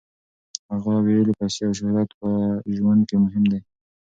هغې ویلي، پیسې او شهرت په ژوند کې مهم نه دي.